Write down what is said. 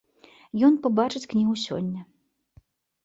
Ён пабачыць кнігу сёння.